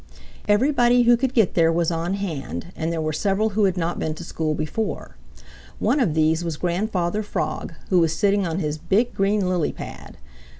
Everybody who could get there was on hand, and there were several who had not been to school before. One of these was Grandfather Frog, who was sitting on his big, green, lily pad.